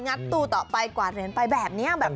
งัดตู้ต่อไปกวาดเหน็นไปแบบนี้แบบ